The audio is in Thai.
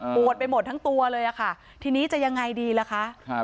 ปวดไปหมดทั้งตัวเลยค่ะทีนี้จะยังไงดีล่ะคะ